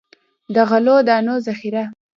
د غلو دانو ذخیره.